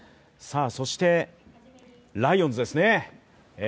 そしてライオンズですね